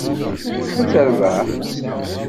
Ad terbeḥ?